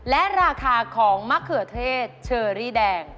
และราคาของมะเขือเทศเชอรี่แดง